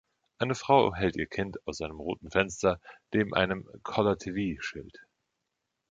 Eine Frau hält ihr Kind aus einem roten Fenster neben einem „Color TV“-Schild.